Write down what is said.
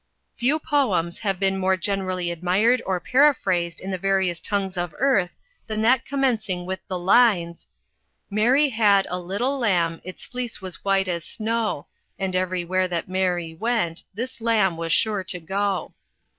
Few poems have been more generally admired or paraphrased in the various tongues of earth than that commencing with the lines "Mary had a little lamb, Its fleece was white as snow, And everywhere that Mary went This lamb was sure to go."